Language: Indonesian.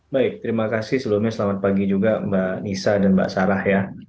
baik terima kasih sebelumnya selamat pagi juga mbak nisa dan mbak sarah ya